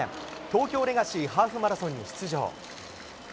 東京レガシーハーフマラソンに出場。